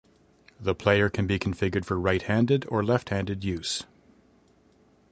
The player can be configured for right handed or left handed use.